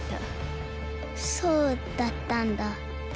そうだったんだ。